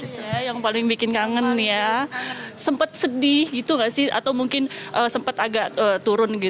itu yang paling bikin kangen ya sempat sedih gitu gak sih atau mungkin sempat agak turun gitu